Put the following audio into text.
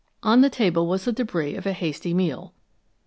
On the table was the débris of a hasty meal.